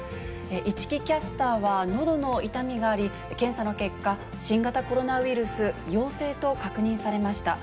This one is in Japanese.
市來キャスターは、のどの痛みがあり、検査の結果、新型コロナウイルス陽性と確認されました。